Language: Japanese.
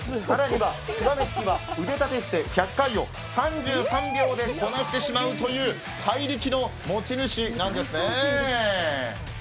更には極めつきは腕立て伏せ１００回を３３秒でこなしてしまうという怪力の持ち主なんですね。